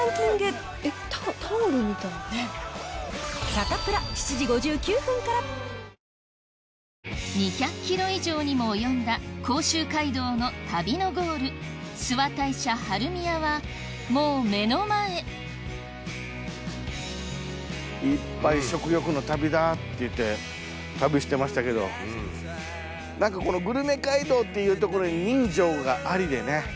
さらにチャンに２００ｋｍ以上にも及んだ甲州街道の旅のゴール諏訪大社春宮はもう目の前『終わりなき旅』いっぱい食欲の旅だ！って言って旅してましたけど何かこのグルメ街道っていうところに人情がありでね。